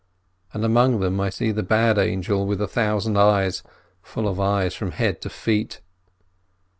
And among them I see the bad angel with the thousand eyes, full of eyes from head to feet.